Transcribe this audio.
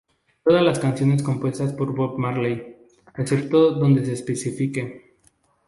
Todas las canciones compuestas por Bob Marley, excepto donde se especifique.